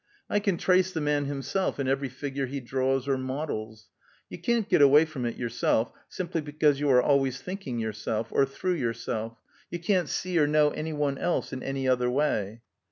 I can trace the man himself in every figure he draws or models. You can't get away from yourself, simply because you are always thinking yourself, or through yourself; you can't see or know any one else in any other way."